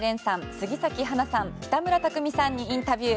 杉咲花さんに北村匠海さんにインタビュー。